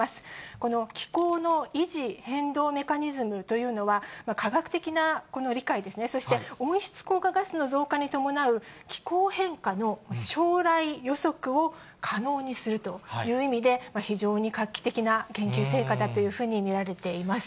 この気候の維持・変動メカニズムというのは、科学的な理解ですね、そして温室効果ガスの増加に伴う、気候変化の将来予測を可能にするという意味で、非常に画期的な研究成果だというふうに見られています。